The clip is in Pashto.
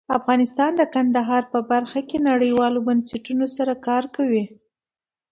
افغانستان د کندهار په برخه کې نړیوالو بنسټونو سره کار کوي.